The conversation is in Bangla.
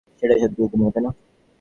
সেটাই সবচেয়ে গুরুত্বপূর্ণ, তাই না?